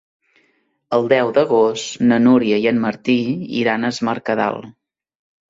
El deu d'agost na Núria i en Martí iran a Es Mercadal.